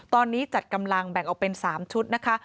ตอนนี้จัดกำลังแบ่งออกเป็น๓ชุดนะคะ